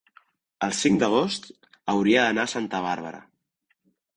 el cinc d'agost hauria d'anar a Santa Bàrbara.